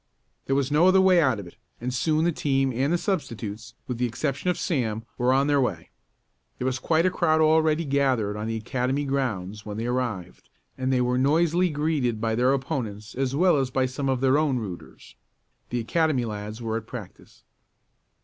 There was no other way out of it, and soon the team and the substitutes, with the exception of Sam, were on their way. There was quite a crowd already gathered on the Academy grounds when they arrived and they were noisily greeted by their opponents as well as by some of their own "rooters." The Academy lads were at practice.